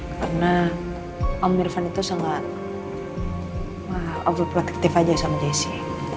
karena om irfan itu sangat overprotective aja sama jessi